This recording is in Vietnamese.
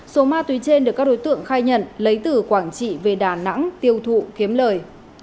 số ma túy trên được các đối tượng khai nhận lấy từ quảng trị về đà nẵng tiêu thụ kiếm lời